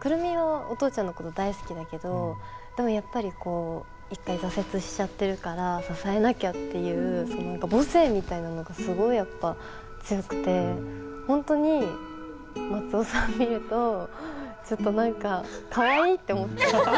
久留美はお父ちゃんのこと大好きだけどでもやっぱりこう一回挫折しちゃってるから支えなきゃっていうその何か母性みたいなのがすごいやっぱ強くて本当に松尾さん見るとちょっと何かかわいいって思っちゃう。